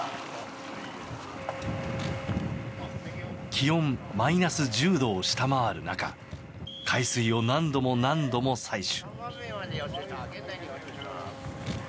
気温マイナス１０度を下回る中海水を何度も何度も採取。